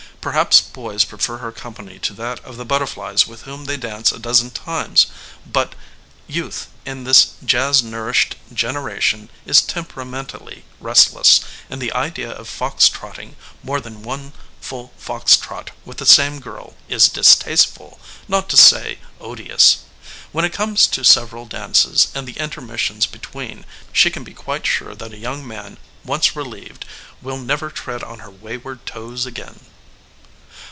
Perhaps boys prefer her company to that of the butterflies with whom they dance a dozen times an but, youth in this jazz nourished generation is temperamentally restless, and the idea of fox trotting more than one full fox trot with the same girl is distasteful, not to say odious. When it comes to several dances and the intermissions between she can be quite sure that a young man, once relieved, will never tread on her wayward toes again.